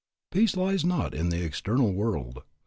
Peace lies not in the external world.